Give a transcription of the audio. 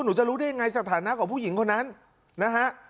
หนูจะรู้ได้ยังไงสถานะของผู้หญิงคนนั้นนะฮะ